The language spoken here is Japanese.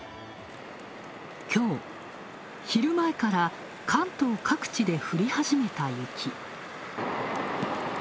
きょう、昼前から、関東各地で降り始めた雪。